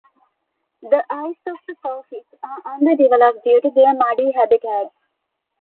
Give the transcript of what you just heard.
The eyes of the sawfish are underdeveloped due to their muddy habitats.